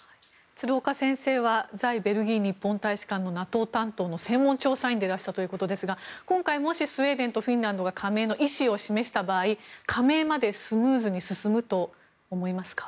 鶴岡先生は在ベルギー日本大使館のＮＡＴＯ担当の専門調査員でいらしたということですが今回、もしスウェーデンとフィンランドが加盟の意思を示した場合加盟までスムーズに進むと思いますか？